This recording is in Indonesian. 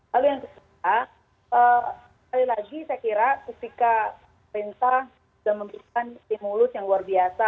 lalu yang ketiga sekali lagi saya kira ketika pemerintah sudah memberikan simulus yang luar biasa